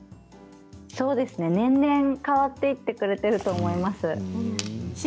年々変わっていってくれていると思います。